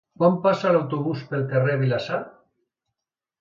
Quan passa l'autobús pel carrer Vilassar?